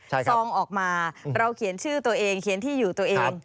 ซองออกมาเราเขียนชื่อตัวเองเขียนที่อยู่ตัวเอง